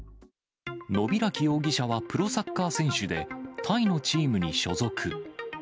野開容疑者はプロサッカー選手で、タイのチームに所属。